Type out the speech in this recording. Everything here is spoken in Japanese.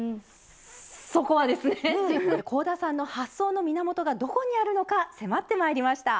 そこはですね香田さんの発想の源がどこにあるのか迫ってまいりました。